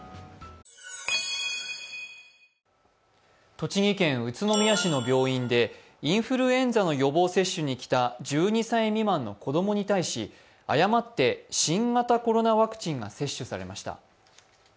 栃木県宇都宮市の病院でインフルエンザの予防接種に来た１２歳未満の子供に対し謝って新型コロナワクチンが接種されました。